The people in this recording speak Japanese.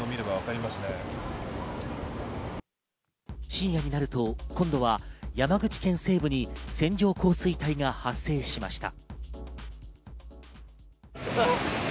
深夜になると今度は山口県西部に線状降水帯が発生しました。